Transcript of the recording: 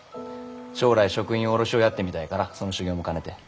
将来食品卸をやってみたいからその修業も兼ねて。